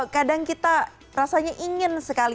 kadang kita rasanya ingin sekali